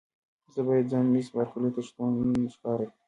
زه باید ځان مېس بارکلي ته شتمن ښکاره کړم.